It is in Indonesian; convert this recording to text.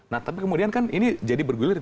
nah tapi kemudian kan ini jadi bergulir